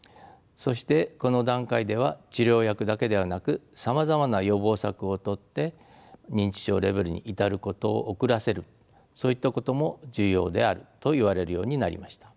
そしてこの段階では治療薬だけではなくさまざまな予防策をとって認知症レベルに至ることを遅らせるそういったことも重要であると言われるようになりました。